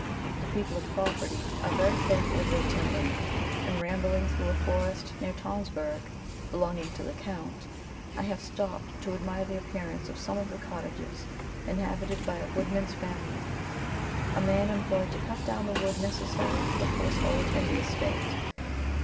The people of property are very careful of their timber; and, rambling through a forest near Tonsberg, belonging to the Count, I have stopped to admire the appearance of some of the cottages inhabited by a woodman's family a man employed to cut down the wood necessary for the household and the estate.